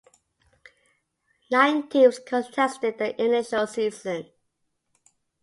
Nine teams contested the initial season.